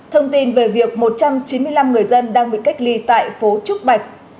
thông tin về việc một trăm chín mươi năm người dân đang bị cách ly tại phố trúc bạch